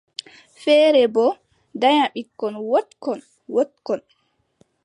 Feere boo danya ɓikkon wooɗkon, wooɗkon.